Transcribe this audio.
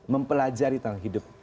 mempelajari tentang hidup